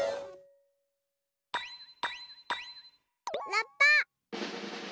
ラッパ！